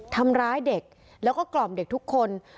ทำร้ายเด็กแล้วก็กล่อมเด็กทุกคน